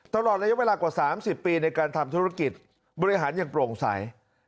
ตลอดระยะเวลากว่า๓๐ปีในการทำธุรกิจบริหารอย่างโปร่งใส